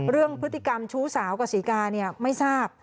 เรื่องพฤติกรรมชู้สาวกับศรีกาเนี่ยไม่ทราบ